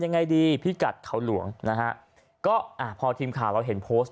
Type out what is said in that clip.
ยังไงดีพิกัดเขาหลวงนะฮะก็อ่าพอทีมข่าวเราเห็นโพสต์